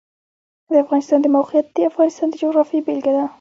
د افغانستان د موقعیت د افغانستان د جغرافیې بېلګه ده.